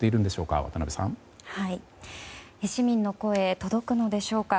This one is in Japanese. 市民の声、届くのでしょうか。